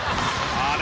あれ？